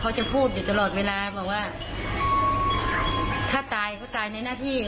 เขาจะพูดอยู่ตลอดเวลาบอกว่าถ้าตายก็ตายในหน้าที่